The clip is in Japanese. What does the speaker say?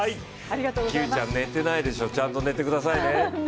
Ｑちゃん寝てないでしょ、ちゃんと寝てくださいね。